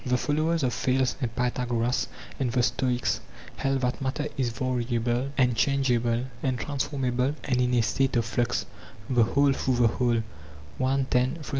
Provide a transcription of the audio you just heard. The followers of Thales and Pythagoras and the Stoics held that matter is variable and changeable and transformable and in a state of flux, the whole through the whole.